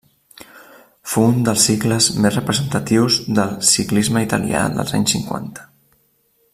Fou un dels cicles més representatius del ciclisme italià dels anys cinquanta.